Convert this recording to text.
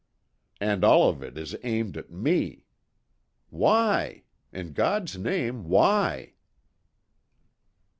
And all of it is aimed at me. Why? In God's name, why?"